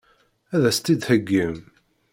Ad as-tt-id-theggim?